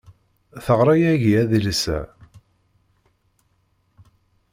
Teɣra yagi adlis-a.